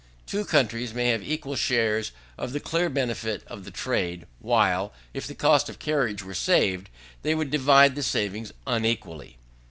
Two countries may have equal shares of the clear benefit of the trade, while, if the cost of carriage were saved, they would divide that saving unequally.